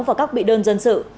và các bị đơn dân sự